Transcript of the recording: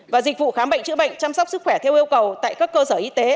và dịch vụ khám bệnh chữa bệnh chăm sóc sức khỏe theo yêu cầu tại các cơ sở y tế